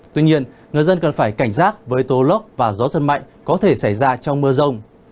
tuy nhiên người dân cần phải cảnh giác với tố lốc và gió giật mạnh có thể xảy ra trong mưa rông